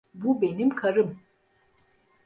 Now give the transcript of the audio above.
Bu benim karım.